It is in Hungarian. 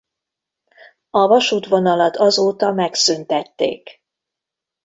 A vasútvonalat azóta megszüntették.